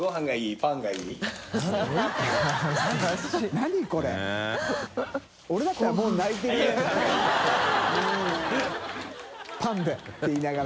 パンで」って言いながら。